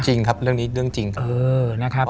จริงครับเรื่องนี้เรื่องจริงครับ